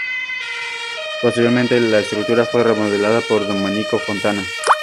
Posteriormente, la estructura fue remodelada por Domenico Fontana.